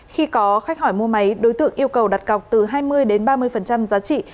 khi có khách hỏi mua máy đối tượng yêu cầu đặt cọc từ hai mươi đến ba mươi giá trị